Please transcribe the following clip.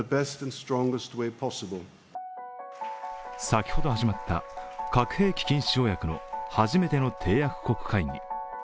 先ほど始まった核兵器禁止条約の初めての締約国会議。